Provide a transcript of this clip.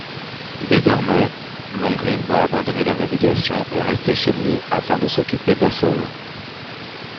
Désormais Longrine va abandonner la navigation et rester chez lui afin de s'occuper d'Assol.